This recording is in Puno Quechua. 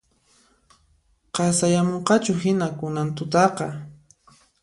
Qasayamunqachuhina kunan tutaqa